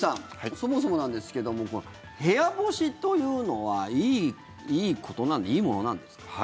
そもそもなんですけれども部屋干しというのは、いいこといいものなんですか？